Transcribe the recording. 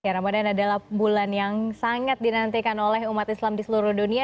ya ramadan adalah bulan yang sangat dinantikan oleh umat islam di seluruh dunia